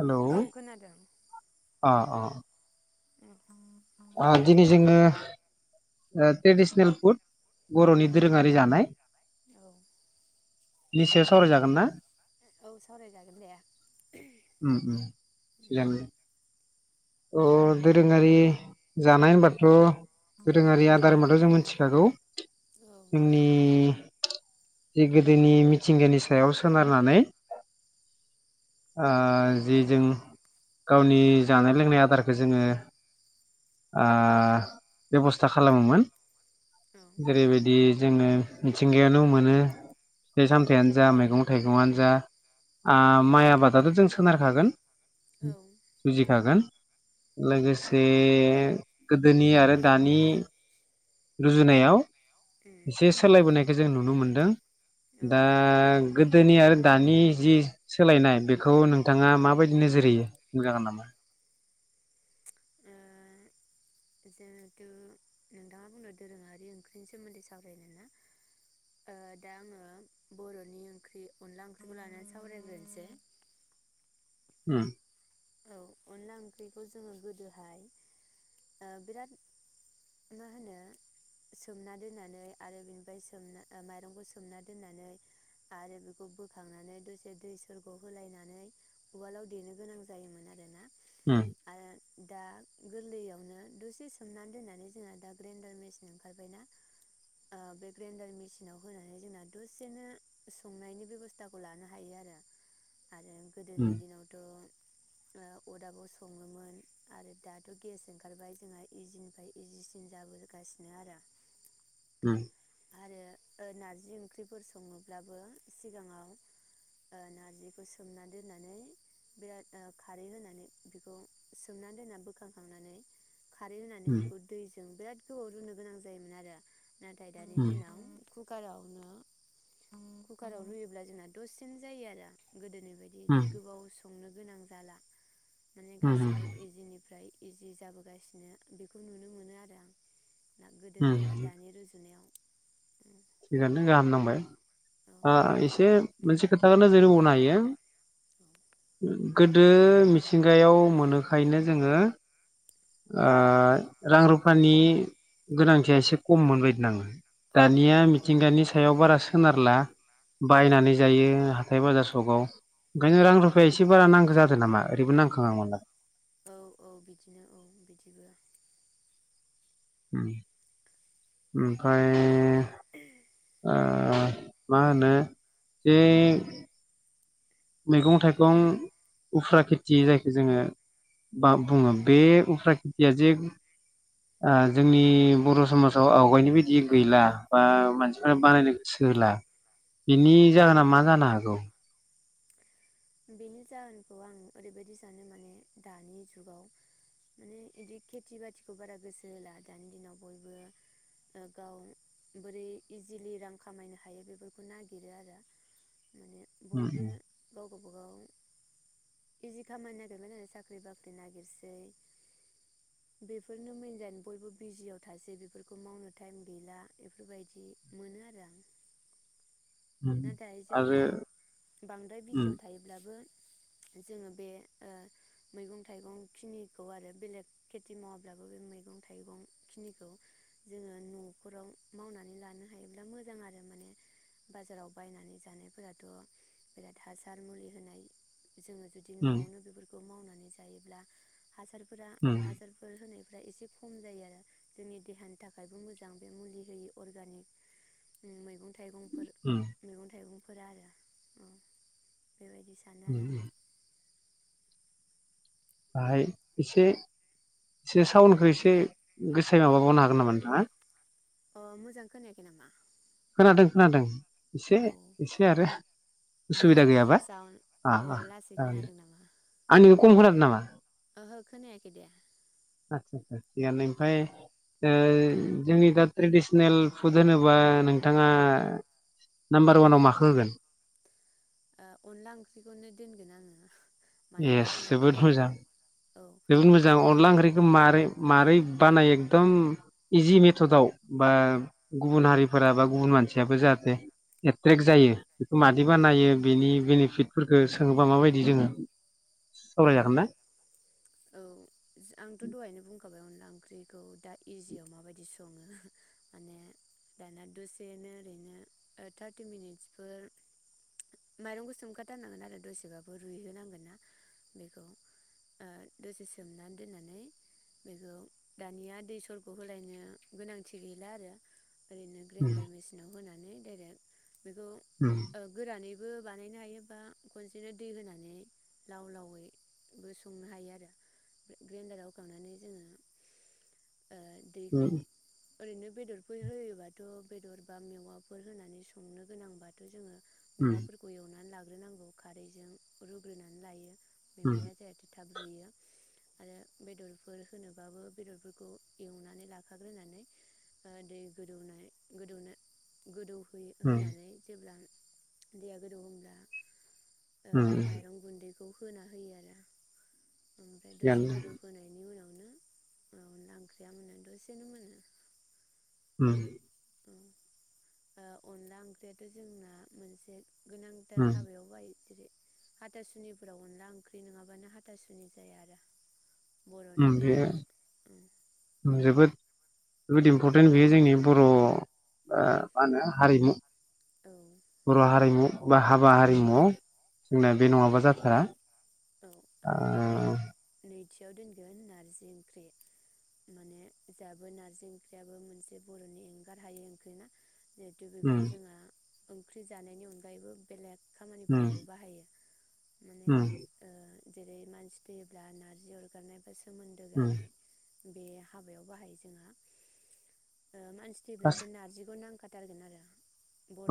Hello औ खोनादों। अ अ उम अ दिनै जोङो ट्रेडिसनेल फुड बर'नि दोरोङारि जानाय। औ नि सायाव सावरायजागोन ना? औ सावरायजागोन दे। उम उम थिगानो अ दोराङारि जानाय होनबाथ' दोरोङारि आदार होनबाथ' जों मिथिखागौ औ उम जोंनि गोदोनि मिथिंगानि सायाव सोनारनानै ओ औ जि जों गावनि जानाय लोंनाय आदारखो जोङो ओ बेब'स्था खालामोमोन। औ उम जेरैबायदि जोङो मिथिंगायावनो मोनो। फिथाइ सामथाइयानो जा मैगं थाइगंआनो जा ओ माइ आबादाथ' जों सोनारखागोन जुजिखागोन। लोगोसे गोदोनि आरो दानि रुजुनायाव एसे सोलायबोनाय जों नुनो मोनदों। दा औ नुदों गोदोनि आरो दानि जि सोलायनाय बेखौ नोंथाङा माबायदि नोजोर होयो बुंजागोन नामा? औ ओ जिहेथु नोंथाङा बुंदों दोरोङारि ओंख्रिनि सोमोन्दै सावरायनो ना ओ दा आङो बर'नि ओंख्रि अनला ओंख्रिखौ लानानै सावरायग्रोनोसै। ओम औ अनला ओंख्रिखौ जोङो गोदोहाय ओ बिराद मा होनो सोमना दोननानै आरो बेनिफ्राय सोमना माइरंखौ सोमना दोननानै आरो बेखौ बोखांनानै दसे दै सर' होलायनानै उवालाव देनो गोनां जायो। जायोमोन आरो ना। ओम दा गोरलैयावनो दसे सोमनानै दोननानै जोंना दा ग्रेन्डार मेचिन ओंखारबायना ओ बे ग्रेन्डार मेचिनाव होनानै जोंना दसेनो संनायनि बेब'स्थाखौ लानो हायो आरो। आरो गोदोनि उम दिनावथ' अरदाबाव सङोमोन आरो दाथ' गेस ओंखारबाय जोंहा इजिनिफ्राय इजिसिन जाबोगासिनो आरो ओम आरो ओ नार्जि ओंख्रिफोर सङोब्लाबो सिगाङाव ओ नारजिखौ सोमना दोननानै बिराद ओ खारै होनानै बिखौ सोमनानै दोननानै बोखांखांनानै खारै होनानै उम बेखौ दैजों बिराद खौ रुनो गोनां जायोमोन आरो नाथाय दानि उम दिनाव खुब कुकारावनो कुकाराव रुयोब्ला जोंना दसेनो जायो आरो गोदोनि बिदि उम गोबाव संनो गोनां जाला माने उम गासिबो इजिनिफ्राय इजि जाबोगासिनो बेखौ नुनो मोनो आरो आं ना गोदोनि आरो उम दानि रुजुनायाव थिगानो गाहाम नांबाय। औ आ एसे मोनसे खोथाखो नोजोर होबावनो हायो। गोदो मिथिंगायाव मोनोखायनो जोङो ओ उम रां रु रुफानि गोनांथिया एसे खममोन बायदि नाङो। औ औ दानिया खममोन मिथिंगानि सायाव बारा सोनारला औ बायनानै जायो हाथाय बाजार जगाव ओंखायनो रां औ रुफाया एसे बेबो बारा नांगौ जादों नामा ओरैबो नांखांयो आं मालाबा औ औ बिदिनो [inaudible] ओम ओमफ्राय ओ मा होनो बै मैगं उम औ थाइगं उफ्रा खेथि जायखौ जोङो बा बुङो बे उफ्रा खेथिया जे ओ जोंनि बर' समाजाव आवगायनाय बायदि गैला बा मानसिफ्रा गैला बानायनो गोसो होला उम बेनि जाहोना मा जानो हागौ बेनि जाहोनखौ आं ओरैबायाददि सानो माने दानि जुगाव माने बिदि खेथि बाथिखौ बारा गोसो होला दानि दिनाव बयबो गाव बोरै इजिलि रां खामायनो हायो बेफोरखौ नागिरो आरो ओम ओम गावबा गाव इजि खामानि नागिरबाय साख्रि बाख्रि नागिरसै बेफोरनो मोनजान बयबो बिजियाव थासै बेफोरखौ मावनो टाइम गैला बेफोरबायदि मोनो आरो आं नाथाय जोङो आरो बांद्राय उम, बिजियाव थायोब्लाबो जोङो बे ओ मैगं थाइगं खिनिखौ आरो बेलेग खेथि मावाब्लाबो बे मैगं थाइगं खिनिखौ जोङो न'खराव मावनानै लानो हायोब्ला मोजां आरो माने बाजाराव बायनानै जानायफोराथ' बिराद हासार मुलि होनाय। जोङो जुदि उम, न'आवनो बेफोरखौ मावनानै जायोब्ला हासारफोरा उम, हासारफोर होनाय फ्रा एसे खम जायो आरो जोंनि देहानि थाखायबो मोजां बे मुलि होयि अरगानिक मैगं थाइगंफोर उम, मैगं थाइगं फोरा आरो औ बेबायदि सानो उम, आरो आं उम. बाहाय एसे एसे साउन्डखौ एसे गोसायै माबाबावनो हागोन नामा नोंथाङा अ मोजां खोनायाखै नामा खोनादों खोनादों। एसे औ एसे आरो उसुबिदा गैयाबा साउन्ड अ औ लासै अ दे खोनादों नामा आंनि खम खोनादो नामा? ओहो खोनायाखै दे आतसा आतसा थिगानो ओमफाय ओ जोंनि दा ट्रेडिसनेल फुड होनोबा नोंथाङा नाम्बार वानाव माखो होगोन? ओ अनला ओंख्रिखौनो दोनगोन आङो। मानोना एस जोंहा जोबोद बेखौ मोजां। औ जोबोद मोजां माने अनला ओंख्रिखो मारै मारोरै बानाय एकदम इजि मेथदआव बा गुबुन हारिफोरा बा गुबुन मानसियाबो जाहाथे एट्रेक्ट जायो बेखौ मादि बानायो बेनि बेनिफिटफोरखौ सोङोबा माबायदि जोङो सावराय उम जागोन ना औ आंथ' दहायनो बुंखाबाय अनला ओंख्रिखौ दा इजिआव माबायदि सं सङो माने दाना दसेनो ओरैनो थारटि मिनिट्सफोर माइरंखौ सोमखाथारनांगोन आरो दसेबाबो रुइहोनांगोन ना बेखौ ओ दसे सोमनानै दोननानै बेखौ दानिया दै सरग होलायनो गोनांथि गैला आरो ओरैनो ग्रेन्डार मेसिनाव होनानै फेरेद बेखौ ओ गोरानै बो बानायनो हायो बा खनसेनो दै होनानै लाव लावै बो संनो हायो आरो ग्रेन्डाराव होखांनानै जोङो ओ दैखौ ओरैनो बेदरफोर होयोबाथ' बेदर बा मेवाफोर होनानै संनो गोनांबाथ' जोङो मेवाफोरखौ एवनानै लाग ग्रो नांगौ खारैजों रुग्रोनानै लायो। मेवाइया जाहाथे थाब लाग्रोयो आरो बेदरफोर होनोबाबो बेदरफोरखौ एवनानै लाखाग्रोनानै अ दै गोदौनाय गोदौनो गोदौ उम ब्ला दैया गोदौहोब्ला अ बे माइरं गुन्दै बेखौ होना होयो आरो। ओमफ्राय दसे थिगानो गोदौ होनोनायनि उनाव नो अनला ओंख्रिया मोनो दसेनो मोनो। उम ओह अनला ओंख्रियाथ' जोंना मोनसे गोनांथार हाबायाव बाय जेरै हाथासुनिफोराव अनला ओंख्रि नङाबानो हाथासुनि जाया आरो उम बर'नि बेयो बेनो उम जोबोद बुहुद इम्परटेन्ट बेयो जोंनि बर'आव आ मा होनो हारिमु। औ बर' हारिमु बा हाबा हारिमुआव जोंना बे औ नङाबा जाथारा थियाव दोनगोन नारजि ओंख्रि माने दाबो नारजि ओंख्रियाबो मोनसे बर'नि एंगार हायि ओंख्रि ना जिहेतु बेखौ जोंहा ओंख्रि जानायनि अनगायैबो बेलेग खामानिफोरावबो बाहायो माने उम ओ जेरै मानसि थैयोब्ला नारजि अरगारनाय सोमोनदो उम गारनाय बे हाबायाव बाहायो जोंहा। ओ मानसि थैब्ला गासै बे नारजिखौ नांगौ खाथारगोन आरो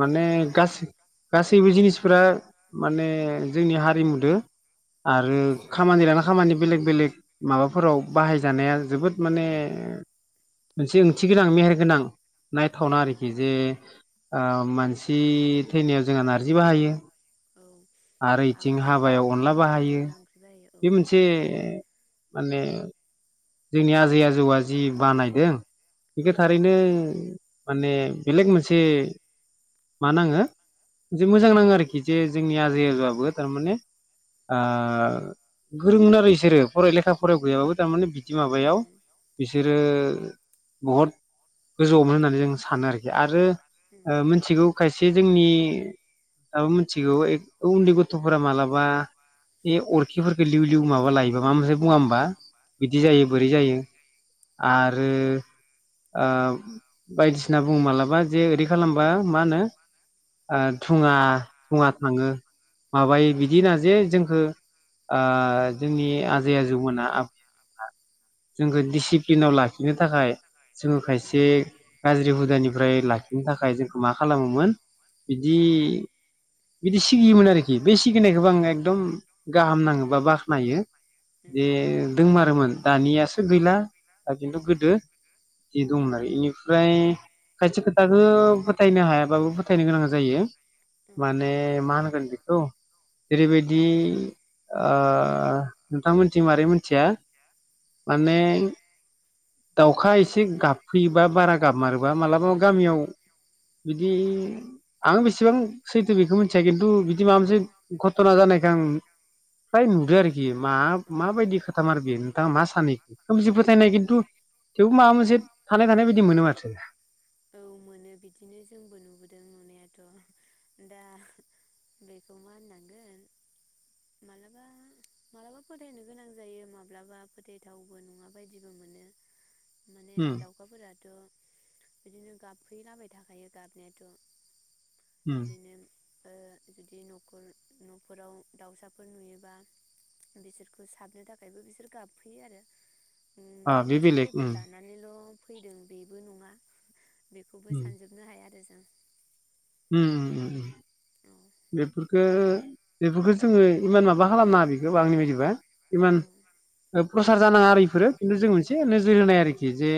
माने गास गासैबो जिनिस फोरा माने जोंनि हारिमुदो आरो जों खामानि लाना खामानि बेलेग बेलेग माबाफोराव औ बाहायजानाया जोबोद माने मोनसे ओंथि गोनां मेहेरगोनां औ नायथावना आरोखि जे ओ मानसि थैनायाव जोंहा नारजि बाहायो औ आरो इथिं हाबा हाबायाव अनला समाव बाहायो अनला ओंख्रि जायो औ बे मोनसे इदिनो माने जोंनि आजै आजौआ जि बानायदों औ उम औ उम बेखौ थारैनो माने बेलेग मोनसे मा नाङोे मोजां मोनसे नाङो आरोखि जे जोंनि आजै आजौआबो थारमाने गोरोंमोन आरो बिसोरो फराय लेखा फरायाव गैयाबाबो थारमाने बिदि माबायाव बिसोरो बहुत गोजौआवमोन होननानै जों सानो आरोखि आरो मोनथिगौ खायसे जोंनि दाबो मिथिगौ उन्दै गथ'फोरा मालाबा बे अरखिफोरखौ लिउ लिउ माबा लायोबा माब मोनसे बुङा होमबा बिदि जायो बोरै जायो आरो बायदिसिना बुङो मालाबा। माबा जे ओरै खालामबा मा होनो थुङा थुङा थाङो माबायो बिदिना जे जोंखौ जोंनि आजै आजौमोना। जोंखौ डिसिप्लिनाव लाखिनो थाखाय जोङो खायसे गाज्रि हुदानिफ्राय लाखिनो थाखाय जोंखौ मा खालामोमोन बिदि बिदि सिगियोमोन आरो। आरोखि बे सिबिनायखौबो आं उम औ एकदम गाहाम नाङोब बा बाख्नायो जे दोंमारोमोन दानियासो गैला दा खिन्थु गोदो जि दंमोन आरो इनिफ्राय खायसे खो खोथाखौ फोथायनो हायाबाबो फोथायनो गोनां जायो माने मा होनगोन बेखौ जेरैबायदि। दि ओ नोंथांमोनथि मारै मिथिया। माने दाउखा एसे गाबफैयोबा बारा गाबमारोबा मालाबा गामियाव बिदि आं खैफोद बेसेबां फैगोन सैथो बेखौ मिथिया खिन्थु बिदि माबा मोनसे उम घथना जानाय। जां फ्राय नुदो नुयो आरोखि मा औ माबायदि खोथामार बेयो। सानै नुदों फोथायनाय खिन्थु थेवबो माबा मोनसे थानाय थानाय बायदि मोनो माथो औ मोनो बिदिनो जोंबो नुबोदों नुनायाथ' दा बेखौ मा होननांगोन मालाबा मालाबा फोथायनो गोनां जायो माब्लाबा फोथायथावाबो नङा बायदिबो मोनो। माने उम दाउखाफोराथ' बिदिनो गाबफैलाबाय थाखायो गाबनायाथ' उम बिदिनो जुदि न'खर न'फोरराव दाउसाफोर नुयोबा बिसोरखौ साबनो थाखायबो बिसोर गाबफैयो आरो। अ माबा बे मोनसे बेलेग उम खैफोद लानानैल' फैदों बेबो नङा बेखौबो उम सानजोबनो हाया आरो जों उम उम औ बेफोरखौ बेफोरखौ जोङो इमान माबा खालामनाङा बेखौ आंनि बायदिबा इमान औ प्रसार जानाङा इफोरो खिन्थु जों मोनसे नोजोर होनाय आरोखि जे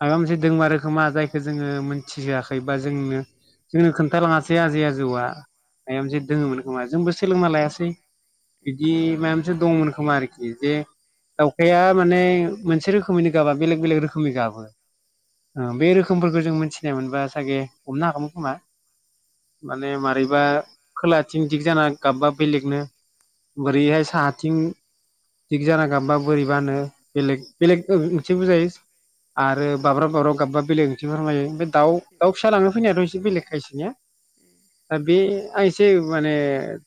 माबा मोनसे दोंमारोखोमा जायखौ जोङो मोनथि होआखै। बा जोंनो। जोंनो खोन्थालाङासै जे आजै आजौआ मायबा से दोङोमोन खोमा जोंबो। थेल मालायासै बिदि म दंमोन खोमा आरोखि जे दाउखाया माने मोनसे रोखोमैनो गाबा बेलेग बेलेग रोखोमनि गाबो। ओ बे रोखोमफोरखौ जों मोन सिनाय मोनबा सागे हमना हागौमोन। खोमा माने मारैबा खोलाथिं दिग जाना गाबबा बेलेगनो बोरैहाय साहाथिं दिग जाना गामबा बोरैबानो बेलेग बेलेग मोनसे बुजायो। आरो बाब्राब बाब्राब गाबबा बेलेग ओंथि फोरमायो। दाउ दाउ फिसा लांनो फैनायाथ' एसे बेलेग खायसेनिया दा बे आं एसे माने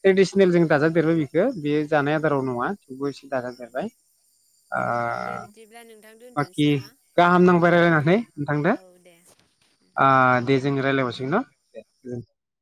ट्रेडिसनेल जों दाजादेरबाय बेखौ बे जानाय आदाराव नङा थेवबो एसे दाजादेरबाय। ओ दे बिदिब्ला नोंथां दोनथ'नोसै बाखि नामा? गाहाम नांबाय रायलायनानै नोंथांदो औ दे उम आ दे जों राय। लायबावसै दे दोन